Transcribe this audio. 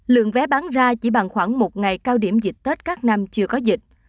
lượng vé bán ra chỉ bằng khoảng một ngày cao điểm dịch tết các năm chưa có dịch